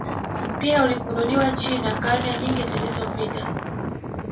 mpira uligunduliwa China karne nyingi zilizopita